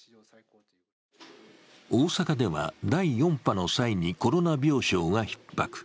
大阪では第４波の際にコロナ病床がひっ迫。